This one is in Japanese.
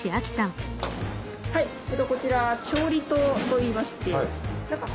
こちらは調理棟といいまして。